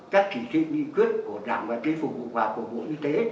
các chỉ thị lý quyết của đảng và chính phủ và của bộ y tế